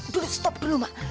duduk duduk dulu ma